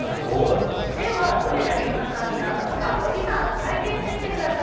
ではどれだけ簡単になったのか小木さん体験してみてください。